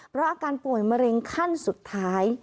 เพราะอาการป่วยมะเร็งขั้นสุดท้าย